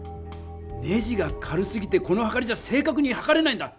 ネジが軽すぎてこのはかりじゃ正かくにはかれないんだ！